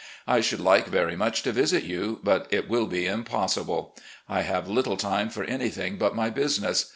I should like very much to visit you, but it wiU be impossible. I have little time for anjrthing but my business.